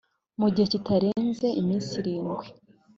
mu gihe kitarenze iminsi irindwi